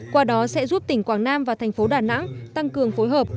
qua đó sẽ giúp tỉnh quảng nam và thành phố đà nẵng tăng cường phối hợp